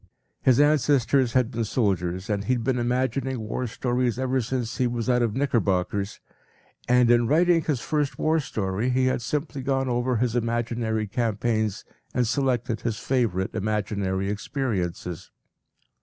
His ancestors had been soldiers, and he had been imagining war stories ever since he was out of knickerbockers, and in writing his first war story he had simply gone over his imaginary campaigns and selected his favorite imaginary experiences.